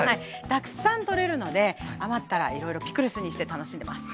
たくさんとれるので余ったらいろいろピクルスにして楽しんでます。